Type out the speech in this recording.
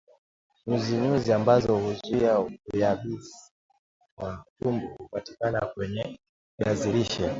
nyuzinyuzi ambazo huzuia uyabisi wa tumbo hupatikana kwenye viazi lishe